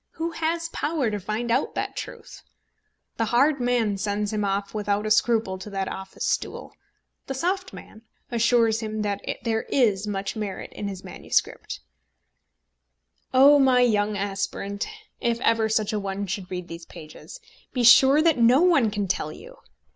Who has power to find out that truth? The hard man sends him off without a scruple to that office stool; the soft man assures him that there is much merit in his MS. Oh, my young aspirant, if ever such a one should read these pages, be sure that no one can tell you!